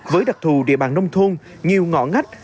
với đặc thù địa bàn nông thôn nhiều ngõ ngách